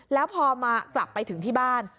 แล้วพอมากลับไปถึงที่บ้าน